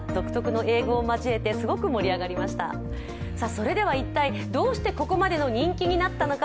それでは一体、どうしてここまでの人気になったのか。